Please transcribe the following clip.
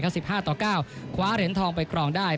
ขั้น๑๕ต่อ๙คว้าเหร็นทองไปกรองได้